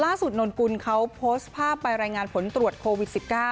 นนกุลเขาโพสต์ภาพไปรายงานผลตรวจโควิด๑๙